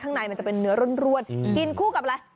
ข้างในมันจะเป็นเนื้อร่วนกินคู่กับอะไร